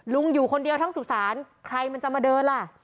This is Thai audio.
อยู่คนเดียวทั้งสุสานใครมันจะมาเดินล่ะ